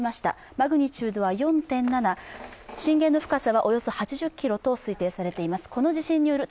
マグニチュードは４．７、震源の深さはおよそ８０ｋｍと推定されています。